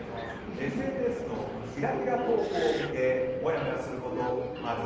ＳＮＳのキラキラ投稿を見てもやもやすることある？